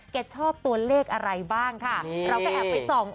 ชอบตัวเลขอะไรบ้างค่ะเราก็แอบไปส่อง